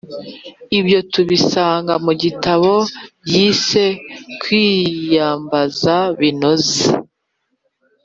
ibyo tubisanga mu gitabo yise “kwiyambaza binoze